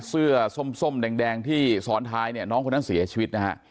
เสื้อส้มแดงที่ซ้อนท้ายเนี่ยน้องคนนั้นเสียชีวิตนะฮะ